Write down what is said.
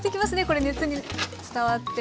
これ熱に伝わって。